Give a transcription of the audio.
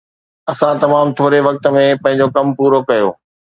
اسان تمام ٿوري وقت ۾ پنهنجو ڪم پورو ڪيو